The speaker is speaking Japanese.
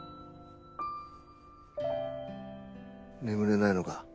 眠れないのか？